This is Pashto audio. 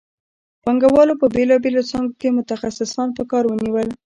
پانګوالو په بېلابېلو څانګو کې متخصصان په کار ونیول